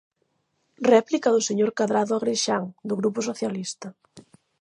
Réplica do señor Cadrado Agrexán, do Grupo Socialista.